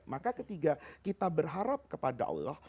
maka ketika kita berharap kepada allah